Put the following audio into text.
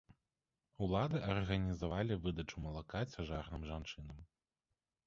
Улады арганізавалі выдачу малака цяжарным жанчынам.